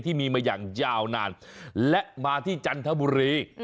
ที่มีมาอย่างยาวนานและมาที่จันทบุรี